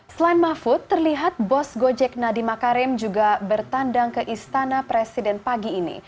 selain mahfud terlihat bos gojek nadiem makarim juga bertandang ke istana presiden pagi ini